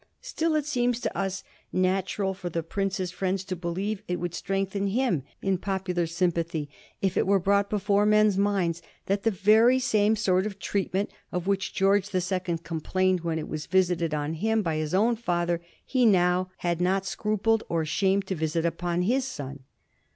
Still it seems to us nat ural for the prince's friends to believe it would strengthen him in popular sympathy if it were brought before men's minds that the very same sort of treatment of which George the Second complained when it was visited on him by his own father he now had not scrupled nor shamed to visit upon his son.